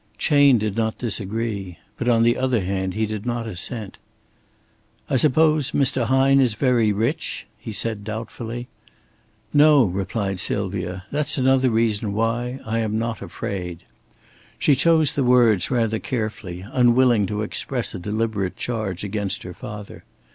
Chayne did not disagree. But, on the other hand, he did not assent. "I suppose Mr. Hine is very rich?" he said, doubtfully. "No," replied Sylvia. "That's another reason why I am not afraid." She chose the words rather carefully, unwilling to express a deliberate charge against her father.